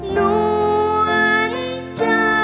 น้วนเจ้าพี่เอ่ย